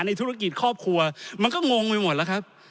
ธุรกิจครอบครัวมันก็งงไปหมดแล้วครับ